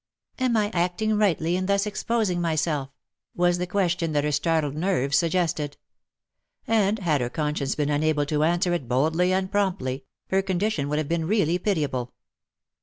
" Am I acting rightly in thus exposing myself?" was the question that her startled nerves suggested : and had her conscience been unable to answer it boldly and promptly, her condition would have been really pitiable.